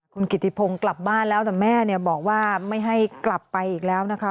คุณกิติพงศ์กลับบ้านแล้วแต่แม่เนี่ยบอกว่าไม่ให้กลับไปอีกแล้วนะคะ